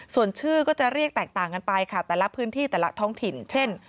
ส่วนชื่อก็จะเรียกแตกต่างกันไปค่ะแต่ละพื้นที่แต่ละท้องถิ่นเช่น